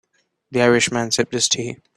The Irish man sipped his tea.